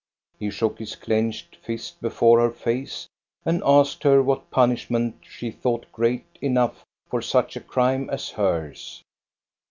He shook his clenched fist before her face and asked her what punishment she thought great enough for such a crime as hers.